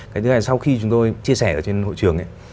cái thứ hai sau khi chúng tôi chia sẻ ở trên hội trường ấy